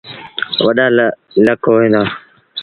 وڏآ لڪ هوئيݩ دآ۔